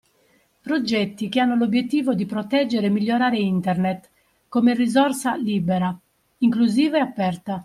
Progetti che hanno l’obbiettivo di proteggere e migliorare Internet, come risorsa libera, inclusiva e aperta.